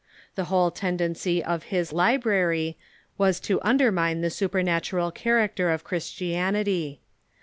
The whole tendency of his " Library " was to undermine the supernatural character of Christianity.